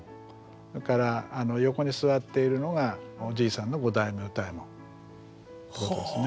それから横に座っているのがおじいさんの五代目歌右衛門ということですね。